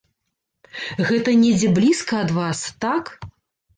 Гэта недзе блізка ад вас, так?